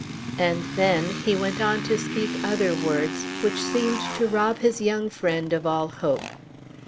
And then he went on to speak other words which seemed to rob his young friend of all hope.